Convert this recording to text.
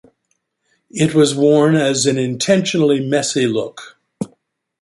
It was worn as an "intentionally messy" look.